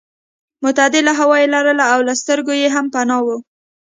معتدله هوا یې لرله او له سترګو یې هم پناه وه.